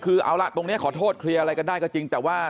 คือเอาละตรงนี้ขอโทษเคลียร์อะไรกันได้ก็จริงแต่ว่า